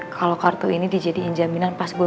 kalau kartu ini dijadikan jaminan pas berjalan